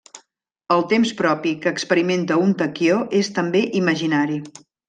El temps propi que experimenta un taquió és també imaginari.